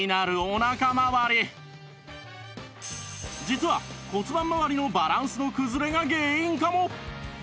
実は骨盤まわりのバランスの崩れが原因かも